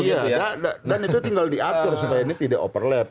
iya dan itu tinggal diatur supaya ini tidak overlap